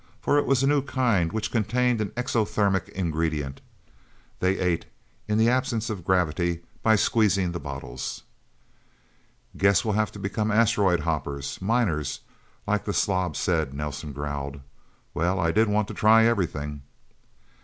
For it was a new kind which contained an exothermic ingredient. They ate, in the absence of gravity, by squeezing the bottles. "Guess we'll have to become asteroid hoppers miners like the slob said," Nelsen growled. "Well I did want to try everything..."